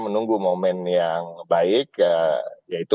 menunggu momen yang baik yaitu